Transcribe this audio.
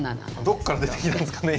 どっから出てきたんですかね